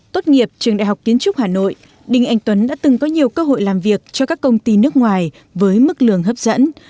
tốt nghiệp trường đại học kiến trúc hà nội đinh anh tuấn đã từng có nhiều cơ hội làm việc cho các công ty nước ngoài với mức lương hấp dẫn